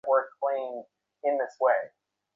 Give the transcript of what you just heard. এত রাতে আপনি বাড়ি গিয়ে কি করবেন?